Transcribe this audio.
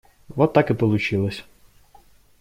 Вот так и получилось.